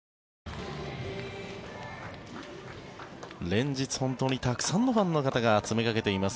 連日本当にたくさんのファンの方が詰めかけています